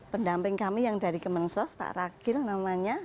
pendamping kami yang dari kemensos pak rakil namanya